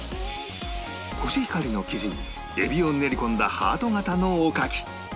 コシヒカリの生地にえびを練り込んだハート形のおかき